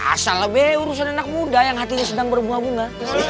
asal abe urusan anak muda yang hatinya sedang berbunga bunga